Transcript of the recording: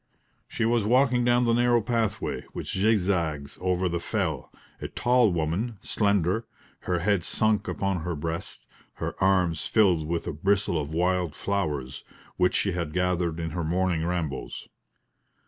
She was walking down the narrow pathway, which zigzags over the fell a tall woman, slender, her head sunk upon her breast, her arms filled with a bristle of wild flowers, which she had gathered in her morning rambles.